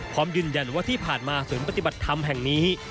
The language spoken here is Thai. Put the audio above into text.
พร้อมยืนยันว่าที่ผ่านมาศูนย์ปฏิบัติธรรมแห่งนี้